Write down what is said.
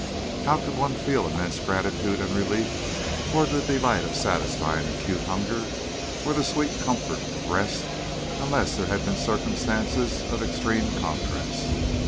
How could one feel immense gratitude and relief, or the delight of satisfying acute hunger, or the sweet comfort of rest, unless there had been circumstances of extreme contrast?